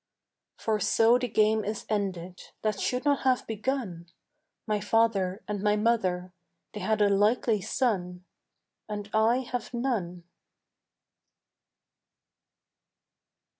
For so the game is ended That should not have begun. My father and my mother They had a likely son, And I have none.